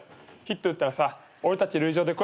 ヒット打ったらさ俺たち塁上で。